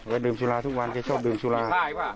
ดื่มสุราทุกวันแกชอบดื่มสุรา